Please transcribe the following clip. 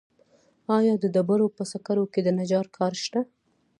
آیا د ډبرو په سکرو کې د نجار کار شته